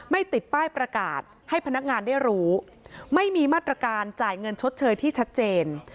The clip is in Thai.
ติดป้ายประกาศให้พนักงานได้รู้ไม่มีมาตรการจ่ายเงินชดเชยที่ชัดเจน